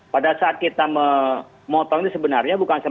pada saat kita memotong ini sebenarnya bukan